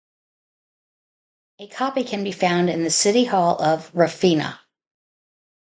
A copy can be found in the city hall of Rafina.